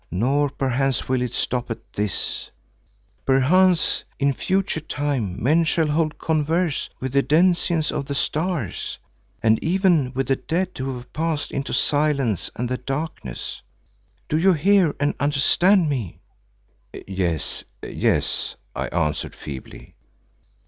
Nor perchance will it stop at this; perchance in future time men shall hold converse with the denizens of the stars, and even with the dead who have passed into silence and the darkness. Do you hear and understand me?" "Yes, yes," I answered feebly.